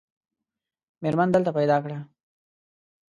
مېرمن دلته پیدا کړه.